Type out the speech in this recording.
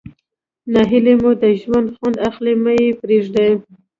ناهلي مو د ژوند خوند اخلي مه ئې پرېږدئ.